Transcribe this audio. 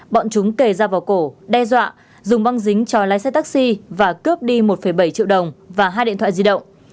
bọn chúng kề dao vào cổ đe dọa dùng băng dính choi lái xe taxi và cướp đi một bảy triệu đồng và hai điện thoại di động